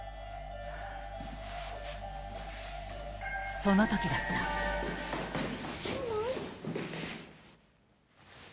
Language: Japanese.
その時だった・ママ？